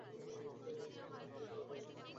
Sir, আমাকে ক্যামেরার সামনে দাঁড়াতে হবে কেন?